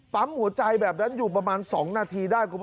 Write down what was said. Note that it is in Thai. ปั๊มหัวใจแบบนั้นอยู่ประมาณ๒นาทีได้